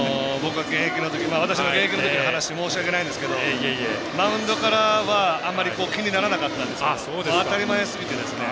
私が現役の時の話で申し訳ないんですけどマウンドからはあんまり気にならなかったんですけど当たり前すぎて。